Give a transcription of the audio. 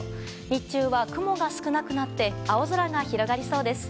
日中は、雲が少なくなって青空が広がりそうです。